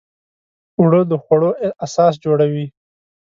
اوړه د خوړو اساس جوړوي